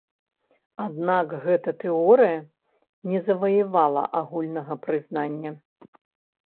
Аднак гэта тэорыя не заваявала агульнага прызнання.